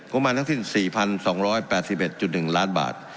ประมาณทั้งสิ้น๔๒๘๑๑ล้านบาท